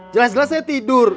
jelas jelas saya tidur